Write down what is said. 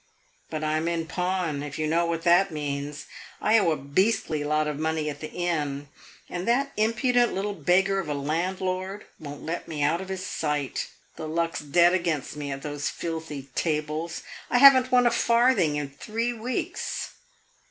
But I 'm in pawn, if you know what that means. I owe a beastly lot of money at the inn, and that impudent little beggar of a landlord won't let me out of his sight. The luck 's dead against me at those filthy tables; I have n't won a farthing in three weeks.